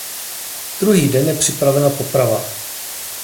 Druhý den je připravena poprava.